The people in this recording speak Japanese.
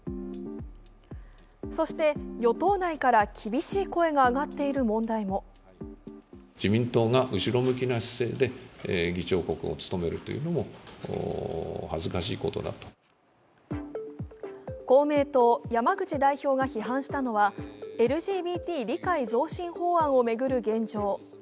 そして、与党内から厳しい声が上がっている問題も公明党・山口代表が批判したのは、ＬＧＢＴ理解増進法案を巡る現状。